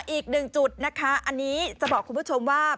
อีกหนึ่งจุดนะคะอันนี้จะบอกคุณผู้ชมว่า